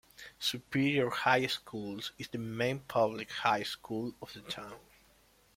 Superior High School is the main public high school of the town.